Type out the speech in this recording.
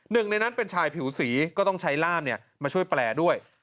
หนึ่งในนั้นเป็นชายผิวสีก็ต้องใช้ล่ามมาช่วยแปลด้วย